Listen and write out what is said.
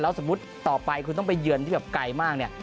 สมมุติต่อไปคุณต้องไปเยือนที่แบบไกลมากเนี่ย